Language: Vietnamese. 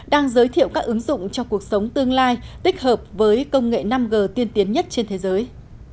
đang giới thiệu các ứng dụng cho cuộc sống tương lai tích hợp với công nghệ năm g tiên tiến nhất trên thế giới